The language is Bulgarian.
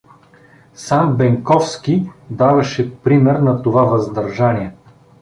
Сам Бенковски даваше пример на това въздържание.